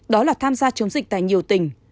đó là tham gia chống dịch tại nhiều tỉnh